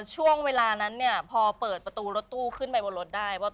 ช่วงเวลานั้นเนี่ยพอเปิดประตูรถตู้ขึ้นไปบนรถได้